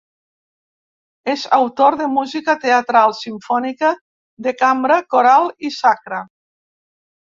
És autor de música teatral, simfònica, de cambra, coral i sacra.